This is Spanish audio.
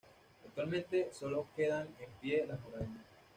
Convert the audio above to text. Actualmente sólo quedan en pie las murallas.